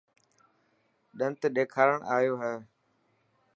ڏنت ڏيکارڻ ايو هي.